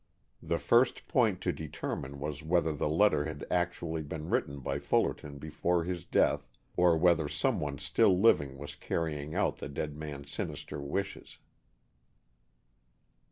The first point to determine was whether the letter had actually been written by Fullerton before his death, or whether someone still living was carrying out the dead man's sinister wishes.